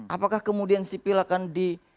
apakah kemudian sipil akan di